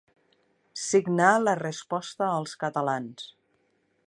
Signà la Resposta als catalans.